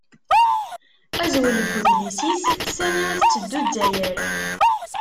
Azwel n udlis-is: Sani i tetteddu Zzayer?